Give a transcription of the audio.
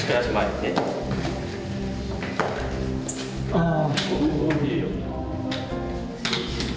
ああ。